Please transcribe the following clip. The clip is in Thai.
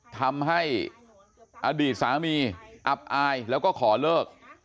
ทำให้อดีตสามีอับอายแล้วก็ขอเลิก